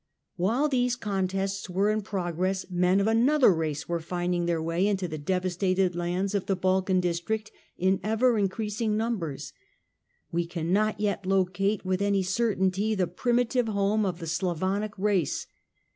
While these contests were in progress men ofsiav mother race were rinding their way into the devastated m '^" atl0US ands of the Balkan district in ever increasing numbers. We cannot yet locate with any certainty the primitive lome of the Slavonic race.